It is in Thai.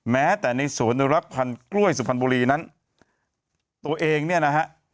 แม้แต่ในสวนอนุรักษ์พันธ์กล้วยสุพรรณบุรีนั้นตัวเองเนี่ยนะฮะ